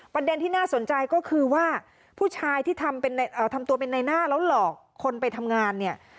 ประเด็นที่น่าสนใจก็คือว่าผู้ชายที่ทำตัวเป็นในหน้าแล้วหลอกคนไปทำงานเนี่ย